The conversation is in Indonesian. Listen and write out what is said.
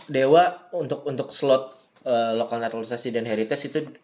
dewa untuk slot lokal naturalisasi dan heritage itu